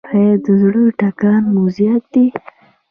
ایا د زړه ټکان مو زیات دی؟